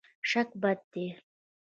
شک بد دی.